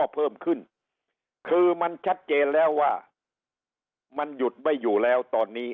เพิ่มขึ้นคือมันชัดเจนแล้วว่ามันหยุดไม่อยู่แล้วตอนนี้